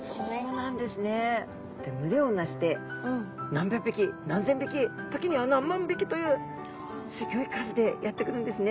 群れを成して何百匹何千匹時には何万匹というすギョい数でやって来るんですね